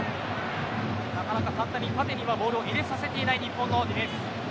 なかなか縦にはボールを入れさせていない日本のディフェンス。